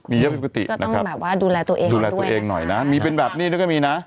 มีเยอะผิดปกตินะครับ